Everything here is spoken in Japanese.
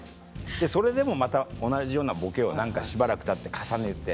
それでもまた同じようなボケをしばらくたって重ねて。